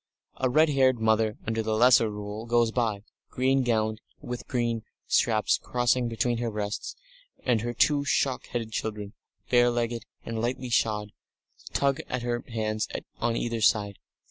A red haired mother under the Lesser Rule goes by, green gowned, with dark green straps crossing between her breasts, and her two shock headed children, bare legged and lightly shod, tug at her hands on either side.